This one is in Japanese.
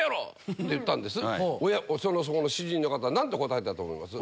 そこの主人の方何と答えたと思います？